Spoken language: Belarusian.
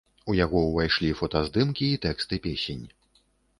У яго ўвайшлі фотаздымкі і тэксты песень.